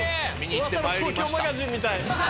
東京マガジン』みたい。